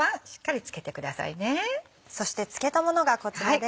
そして漬けたものがこちらです。